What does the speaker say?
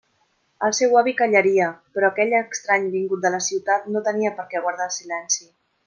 El seu avi callaria, però aquell estrany vingut de la ciutat no tenia per què guardar silenci.